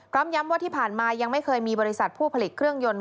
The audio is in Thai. ย้ำว่าที่ผ่านมายังไม่เคยมีบริษัทผู้ผลิตเครื่องยนต์